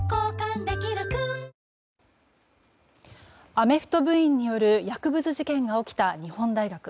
アメフト部員による薬物事件が起きた日本大学。